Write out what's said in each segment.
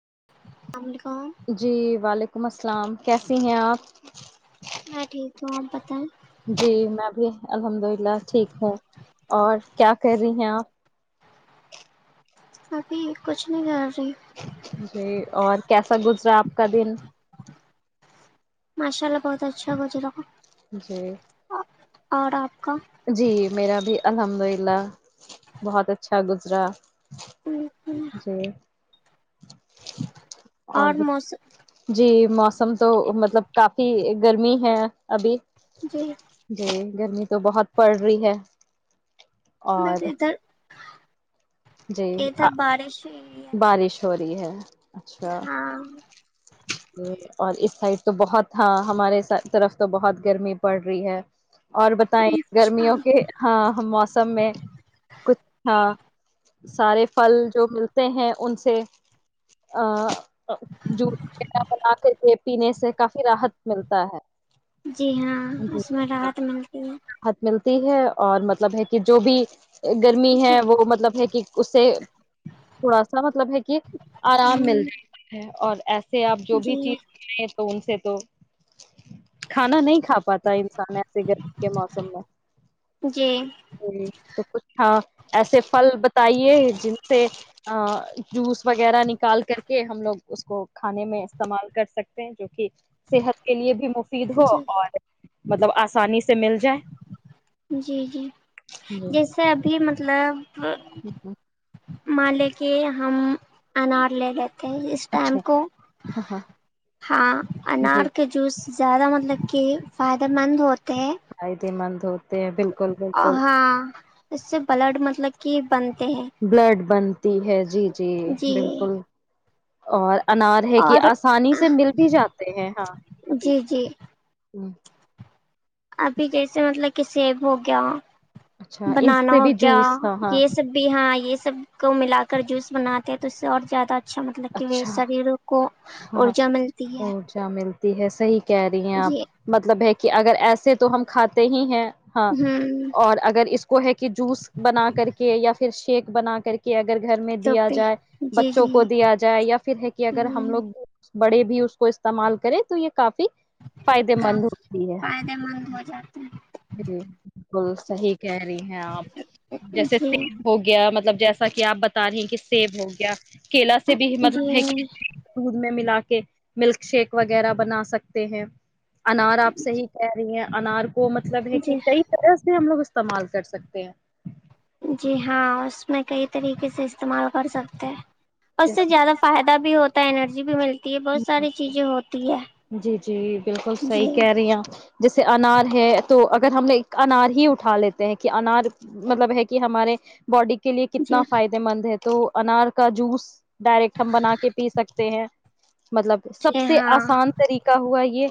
[unintelligible] جی وعلیکم السلام کیسی ہیں آپ تو آپ بتائیں جی میں بھی الحمد للہ ٹھیک ہوں اور کیا کر رہی ہیں آپ ابھی کچھ نہیں ہے جی اور کیسا گزرا آپ کا دن ماشاء اللہ بہت اچھا ہویر جی اور آپ کا جی میرا بھی الحمد للہ بہت اچھا گزرا جی اور جی موسم تو مطلب کافی گرمی ہے ابھی جی جی گرمی تو بہت پڑھ رہی ہے اور [unintelligible] جی ادھر بارش ہوئی ہے بارش ہو رہی ہے اچھا ہاں اور اس سائڈ تو بہت ہاں ہمارے طرف تو بہت گرمی پڑ رہی ہے اور بتائیں اچھا گرمیوں کے ہاں موسم میں کچھ ہاں سارے پھل جو ملتے ہیں ان سے ا [unintelligible] [unintelligible] [unintelligible] بناتے تھے پینے سے کافی راحت [unintelligible] ملتا ہے جی ہاں جی اس میں راحت ملتی ہے راحت ملتی ہے اور مطلب ہے کہ جو بھی گرمی ہے وہ مطلب ہے کہ اس سے تھوڑا سا مطلب ہے کہ آرام جی ملتا ہے اور سے آپ جو بھی جی چیز لیں ان سے تو کھانا نہیں ک [unintelligible] کھا پاتا ہے انسان ایسے گرمی کے موسم میں جی تو کچھ ہاں ایسے پھل بتائیے جن سے ا جوس وغیرہ نکال کر کے ہم لوگ اس کو کھانے میں استعمال کر سکتے ہیں جو صحت کے لیے بھی مفید ہو جی اور مطلب آسانی سے مل جائے [unintelligible] جی جی جی جیسے ابھی مب [unintelligible] ال [unintelligible] پ [unintelligible] مان لے کی ہم انار لے لیتے اس ٹائم اچھا کو ہاں ہاں جی انار کے جوس زیادہ مطلب کہ فائدے مند ہوتا آئید من تے ہیں بالکل اور بالکل ہاں اس سے بلڈ مطلب کہ بنتے ہیں بلڈ بنتی ہے جی جی بالکل اور انار ہے کہ اور آسانی سے مل بھی جاتے ہیں ہاں ابھی [inaudible] جی جی ابھی جیسے مطلب کسیب ہو گیا اچھا ان بنانا سے ہو بھی گیا جوس ہاں ہاں یہ سب بھی ہاں یہ سب سب کو ملا کر جوس بناتے ہیں تو اس اور زیادہ اچھا مطلب کہ اچھا شریر کو ارجا ملتی ہے تی ہیں صحیح کہہ رہی ہیں آپ جی مطلب ہے کہ اگر ایسے تو ہم کھاتے ہی ہیں ہاں ہوں اور اگر اس کو ہے کہ جوس بنا کر کے یا پھر شیک بنا کر کے گر گھر میں تو دیا پہ جائے جی بچوں جی کو دیا جائے یا پھر ہے کہ اگر ہم لوگ بڑے بھی اس کو استعمال کریں تو یہ کافی فائدے مند ہوتی ہے فائدے مند ہو جاتے ہیں جی بالکل صحیح کہہ رہی ہیں آپ جیسے س جی ہو گیا مطلب جیسا کہ آپ بتا رہی ہیں کہ سیب ہو گیا کیلا سے بھی مطلب ہے جی دودھ میں ملا کے کہ ملک شیک وغیرہ بنا سکتے ہیں انار آپ سے ہی کہہ رہی ہیں انار کو مطلب ہے کہ جی کئی طرح سے ہم لوگ استعمال کر سکتے ہیں جی ہاں اس میں کئی طریقے سے استعمال کر سکتے ہیں اس سے جیسے زیادہ فائدہ بھی ہوتا ہے انرجی بھی ملتی ہے بہت ساری چیزیں ہوتی ہے جی جی بالکل صحی جی کہہ رہی ہ جیسے انار ہے تو اگر ہم نے انار ہی اٹھا لیتے ہیں کہ انار مطلب ہے کہ ہمارے باڈی کی کے لیے جی کتنا فائدے مند ہے تو انار کا جوس ڈائریکٹ ہم بنا کے پی سکتے ہیں مطلب سب جی سے ہاں آسان ہوا یہ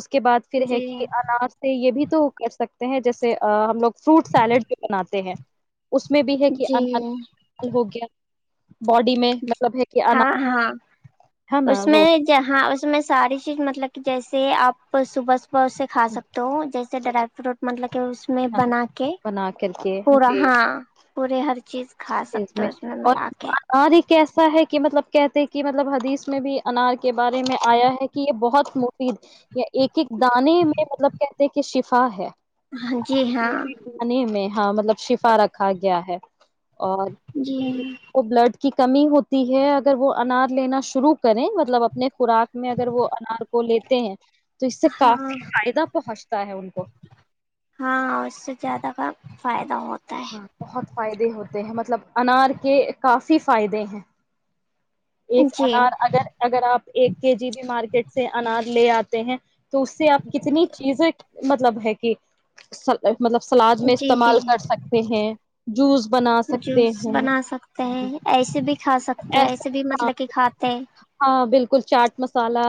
اس کے بعد پھر ہے جی کہ انار سے یہ بھی تو کر سکتے جیسے ہم لوگ فروٹ سیلیڈ بھی بناتے ہیں اس میں بھی ہے کہ ان جی ہو گیا باڈی میں مطلب ہے کہ ہاں انار ہاں ہے اس نا میں وہ ج ہاں اس میں ساری چیز مطلب کہ جیسے آپ صبح اس سے کھا سکتے ہوں جیسے ڈرائی فروٹ مطلب کہ اس میں بنا کے بنا کر کے پورا ہاں چیز پورے ہر چیز کھا سکتے ہو اس میں ملاک ہے کیسا ہے کہ مطلب کہتے کہ مطلب حدیث میں بھی انار کے بارے میں آیا ہے کہ یہ بہت مفید یہیا ایک ایک دانے میں مطلب کہتے کہ شفا ہے ہاں جی ہاں دانے میں ہاں مطلب شفا رکھا گیا ہے اور جی بلڈ کی کمی ہوتی ہے اگر وہ انار لینا شروع کریں مطلب اپنے خوراک میں اگر وہ انار کو لیتے ہیں تو اس سے ہاں کافی فائدہ پہنچتا ہے ان کو ہاںاں اس سے زیادہ کا فائدہ ہوتا ہے ہاں بہت فائدے ہوتے ہیں مطلب انار کے کافی فائدے ہیں ایک جی انار اگر اگر آپ ایک کے جی بھی مارکیٹ سے انار لے آتے ہیں [unintelligible] تو اس سے آپ کتنی چیزیں مطلب ہے کہ سل [unintelligible] مطلب سلاد میں جی جی استعمال کر سکتے ہیں جوس بنا سکتے جوس بنا سکتے ہیں ہیں ایسے بھی کھا ایسے بھی مطلب کہ کھاتے ہیں ہاں بالکل چاٹ م مسالہ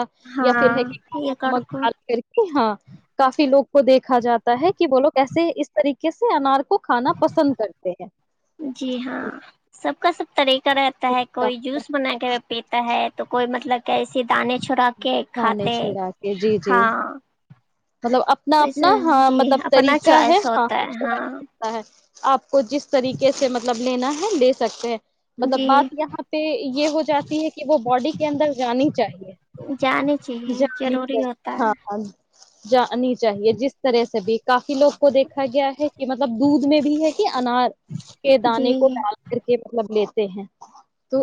یا پھر ہے ہاں کہا یہ کر نمک کو ڈال کر کے ہاں کافی لوگ کو دیکھا جاتا ہے کہ بولو کیسے اس طریقے سے انار کو کھانا پسند کرتے ہیں جی ہاں سب کا سب [unintelligible] رہتا ہے کوئی جوس کھانے بنا کے پیٹ ہے تو کوئی مطلب کہ ایے دانے چھوڑا کے کھاتے چھڑا کے جی جی ہاں مطلب اپنا تو اپنا اسے ہاں جی مطلب اپنا طریقہ ہے چوائس ہوتا ہے ہاں ہاںتا ہے آپ کو جس طریقے سے مطلب لینا ہے لے سکتے ہیں مطلب جی بات یہاں پہ یہ ہو جاتی ہے کہ وہ باڈی کے اندر جانی چاہیے جانے چاہیے جانی ضروری ہوتا چاہے ہاں ہے جانی چاہیے جس طرح سے بھی کافی لوگ کو دیکھا گیا ہے کہ مطلب دودھ میں بھی ہے کہ انار کے جی دانے کو ڈال کر کے مطلب لی [unintelligible]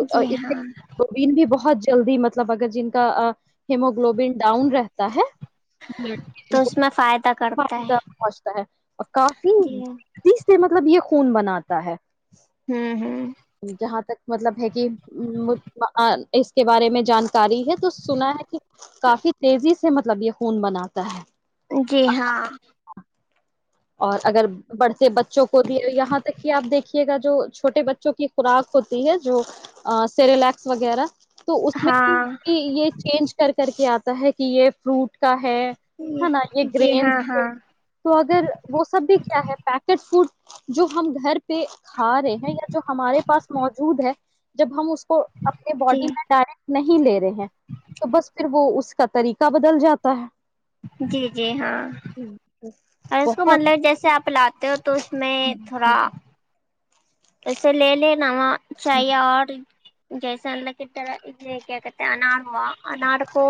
جی ہاں [unintelligible] جلدی مطلب اگر جن کا ہیموگلوبن ڈاؤن رہتا ہے تو اس میں فائدہ کرتا فائدہ ہے پہنچتا ہے اور کافی جی ہوں چز سے مطلب یہ خون بناتا ہے ہوں ہوں جہاں تک مطلب ہے کہ اس کے بارے میں جانکاری ہے تو سنا ہے کہ کافی تیزی سے مطلب یہ خون بناتا ہے جی ہاں اور اگر بڑھتے بچوں کو بھی یہاں تک کہ آپ دیکھیے گا جو چھوٹے بچوں کی خوراک ہوتی ہے جو سریلیکس وغیرہ تو اس میں ہاں یہ چینج کر کر کے آتا کہ یہ فروٹ کا ہے ہے نا یہ جی گرینس ہاں ہاں تو اگر کیا ہے پیکٹ فوڈ جو ہم گھر پہ پہ کھا رہے ہیں یا جو ہمارے پاس موجود ہے جب ہم اس اپنے جی باڈی میں ڈائریکٹ نہیں لے رہے ہیں تو بس پھر وہ اس کا طریقہ بدل جاتا ہے جی جی ہاں اور اس کو مطلب جیسے آپ لاتے ہو تو اس میں تھوڑا۔ بہت ایسے لے ل نواز چاہ آڈ جیسلہ کٹر آگت آ ن انار کو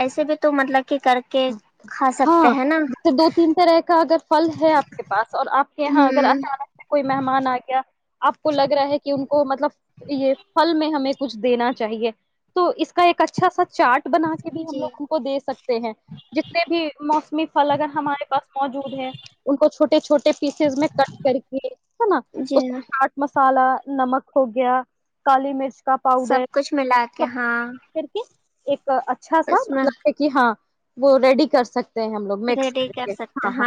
ایسے بھی تو مطلب کہ کر کے کھا سکتے ہاں ہیں نا دو تین طرح کا اگر پھل ہے آپ کے پاس اور آپ کے یہاں اگر ہوں اچانک سے کوئی مہمان آ گیا آپ کو لگ رہا ہے کہ ان کو مطلب یہ پھل میں ہمیں کچھ دینا چاہیے تو اس کا ایک اچھا سا چارٹ بنا کے بھی ہم جی لوگ ان کو دے سکتے ہیں جتنے بھی موسمی پھل اگر ہمارے پاس موجود ہے ان کو چھوٹے چھوٹے پیسز میں کٹ کر کے ہے نا اس جی ہاں چاٹ م مسالا نمک ہو گیا کالی مرچ کا سب پاؤڈر کچھ ملا کے سب ہاں کر کے ایک اچھا سا اس میں مطلب ہے کہ ہاں وہ ریڈی کر سکتے ہم لوگ مکس کر کے ہاں ہاں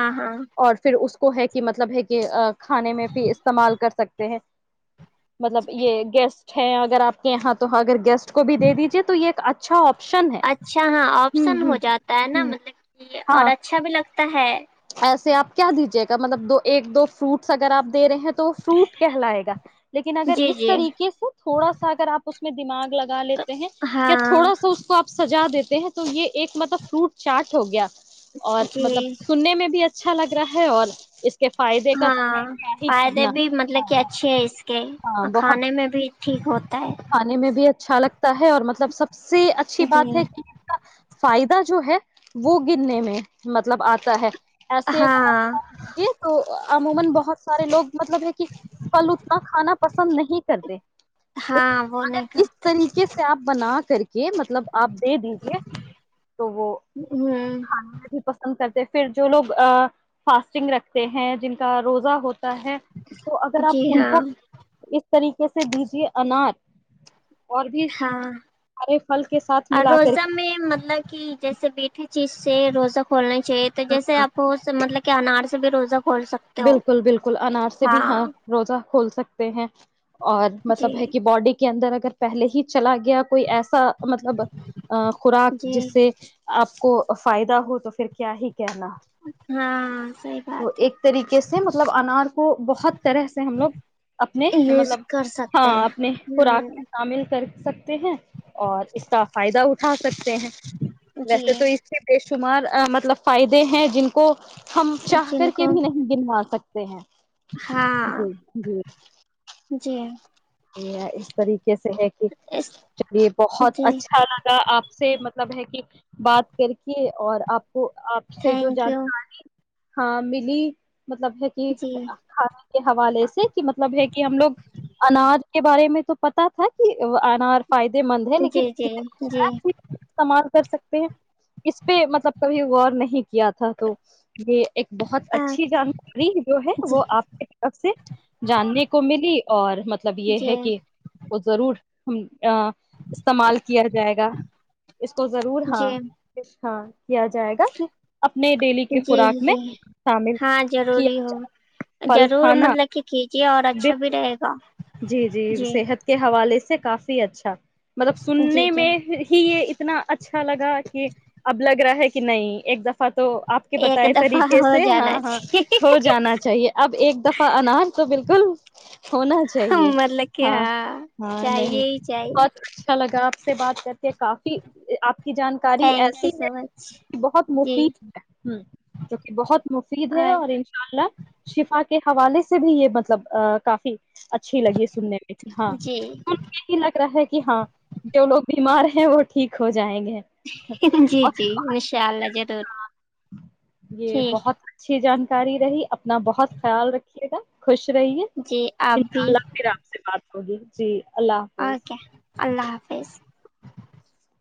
اور پھر اس کو ہے کہ مطلب ہے کہ کھانے میں بھی استعمال کر سکتے ہیں مطلب جی یہ گیس اگر آپ کے یہاں تو اگر گیسٹ کو بھی دے دیجیے تو یہ ایک اچھا آپ اچھا ہاں آپشن ہو جاتا ہے نا ہوں مطلب کہ اور ہاں اچھا بھی لگتا ہے ایسے آپ کیا دیجیے گا مطلب دو ایک دو فروٹس اگر آپ دے رہے ہیں تو تو فروٹ کہ لائے گا لیکن اگر جی اس جی طریقے سے تھوڑا سا اگر آپ اس کو میں دمغ لگا لیتے ہیں کیا ہاں تھوڑا سا اس کو آپ سجا دیتے ہیں تو یہ ایک مطلب فروٹ چاٹ ہو گیا اور مطلب جی سننے میں بھی اچھا لگ رہا ہے اور اس کے فائدے کا تو ہاں ہی فائدے کہنا بھی مطلب کہ اچھے ہے اس کے ہاں اور بہت کھانے میں بھی ٹھیک ہوتا ہے کھے میں بھی اچھا اچھا لگتا ہے اور مطلب سب سب سے اچھی جی بات ہے کہ اس کا فائدہ جو ہے وہ گرنے میں مطلب آتا ہے ایسے ہاں عموما بہت سارے لوگ مطلب ہے کہ پلو اتنا کھانا پسند نہیں کرتے ہاں وہ نہیں اگر اس کرتے طریقے سے آپ بنا نہ کر کے یہ مطلب آپ دے دیجے تو وہ ہ کھانا بھی پسند کرتے پھر جو لوگ فاسٹنگ رکھتے ہیں جن کا روزہ ہوتا ہے تو اگر جی آپ ان کو ہاں اس طریقے سے دیجیے انار اور بھی ہاں سارے پھل کے ساتھ اور ملا کر روزہ میں مطلب کہ جیسے بیٹے چیز سے روزہ کھولنا تو جیسے آپ مطلب کہ انار سے بھی روزہ کو بالکل بالکل انار سے بھی ہاں روزہ کھول سکتے ہیں اور جی مطلب ہے کہ باڈی کے اندر اگر پہل ہی چلا گیا کوئی ایسا مطلب خوراک جی جس سے آپ کو فائدہ ہو تو پھر کیا ہی کہنا ہاں سی تو بات ہے ایک طریقے سے مطلب انار کو بہت طرح سے ہم لوگ اپنے یوز مطلب کر سکتے ہاں ہیں اپنے خوراک میں ہ شامل کر سکتے ہیں اور اس کا فائدہ اٹھا سکتے ہیں جی ویسے تو اس کے پیش شمار مطلب فائدے ہیں جن کو ہم چاہ کر جن کے کو بھی نہیں کنوا سکتے ہیں ہاں جی جی جی یہ اس طریقے سے ہے کہ اس چلیے بہت جی اچھا لگا آپ سے مب مطلب ہے کہ بات کر کے اور آپ وہ آپ سے جو تھینک یو جانکاری ہاں ملی مطلب ہے کہ جی کھانا کے حوالے سے کہ مطلب ہے کہ ہم لوگ اناج کے بارے میں تو پتا تھا کہ انار فائدے مند ہے لیکن جی جی کتنی جی شاید ہی استعمال کر سکتے ہیں اس پہ مطلب کبھی اور نہیں کیا تھا تو یہ ایک بہت جی اچھی جانکاری جو ہے وہ آپ کی طرف سے جاننے کو ملی اور مب یہ جی ہے کہ وہ ضرور ہم [unintelligible] استعمال کیا جائے گا اس کو ضرور ہاں جی ہاں کیا جائے گا کہ اپنے ڈیلی کی جی خوراک میں جی شامل ہاں کیا ضروری ہو پھل ضرور کھانا مطلب کہ کیجیے اور بے اچھا بھی رہے گا جی جی صحت کے حوالے سے سے کافی اچھا مطلب جی سننے جی میں ہی یہ اتنا اچھا اچھا لگا کہ اب لگ رہا ہے کہ نہیں ایک دفہ تو آپ کے ایک بتائے دفعہ طریقے ہو سے ہاں جانا ہاں ہو جانا چاہیے اب ایک دفعہ اناج تو بالکل ہونا چاہ چاہیے مطلب کہ ہاں ہاں نہیں چاہیے ہی چاہیے بہت اچھا لگا آپ سے بات کرتے ہیں کافی آپ جانکاری تھینک یو ایسی سو مچ ہے بہت جی مفید ہے ہ جو کہ بہت مفید ہے اور ان شاء اللہ شفا کے حوالے سے بھی یہ مطلب کافی اچھی لگی ہے سننے میں کہ ہاں جی یہی لگ رہا ہے کہ ہاں جو لوگ بیمار ہیں وہ ٹھیک ہو جائیں گے جی جی انشاء اللہ ضرور یہ ٹھیک بہت اچھی جان اری رہی اپنا بہت خیال رکھیے گا خوش رہی ہے ابھی اگی جی اللہ حافظ اوکے اللہ حافظ فی [unintelligible]